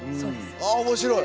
あ面白い！